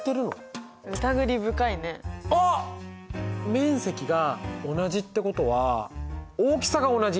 面積が同じってことは大きさが同じ。